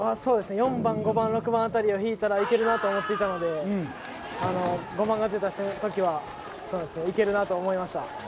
４番、５番、６番あたりを引いたらいけるなと思っていたので、５番が出た瞬間は行けるなと思いました。